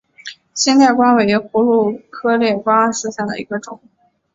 新裂瓜为葫芦科裂瓜属下的一个种。